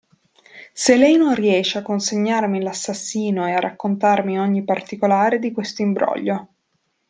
Se lei non riesce a consegnarmi l'assassino e a raccontarmi ogni particolare di questo imbroglio.